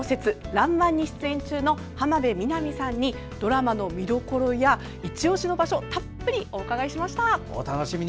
「らんまん」に出演中の浜辺美波さんにドラマの見どころやいちオシの場所をたっぷりお伺いしました。